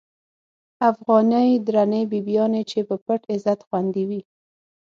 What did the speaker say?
افغانی درنی بیبیانی، چی په پت عزت خوندی وی